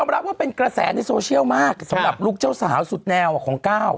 รับว่าเป็นกระแสในโซเชียลมากสำหรับลูกเจ้าสาวสุดแนวของก้าว